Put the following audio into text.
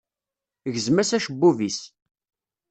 Gzem-as acebbub-is.